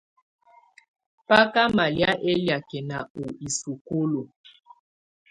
Bá ká malɛ̀á ɛlɛakɛna u isukulu.